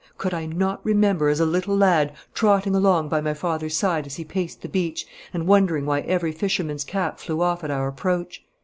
Could I not remember as a little lad trotting along by my father's side as he paced the beach, and wondering why every fisherman's cap flew off at our approach?